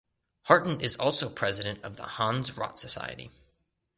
Harten is also President of the Hans Rott Society.